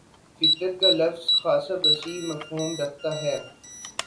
فطرت کا لفظ خاصہ وسیع مفہوم رکھتا ہے